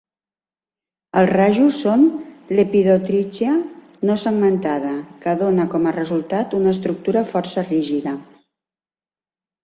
Els rajos són "lepidotrichia" no segmentada, que dona com a resultat una estructura força rígida.